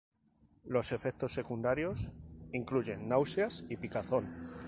Los efectos secundarios incluyen náuseas y picazón.